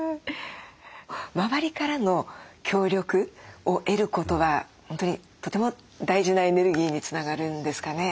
周りからの協力を得ることは本当にとても大事なエネルギーにつながるんですかね。